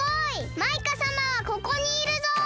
マイカさまはここにいるぞ！